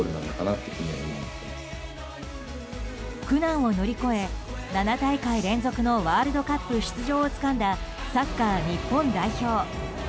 苦難を乗り越え、７大会連続のワールドカップ出場をつかんだサッカー日本代表。